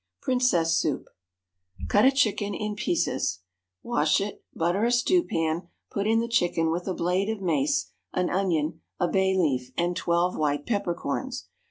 Princess Soup. Cut a chicken in pieces; wash it; butter a stewpan, put in the chicken with a blade of mace, an onion, a bay leaf, and twelve white peppercorns.